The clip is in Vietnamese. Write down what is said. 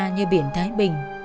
như biển thái bình